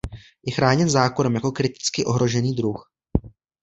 Je chráněn zákonem jako kriticky ohrožený druh.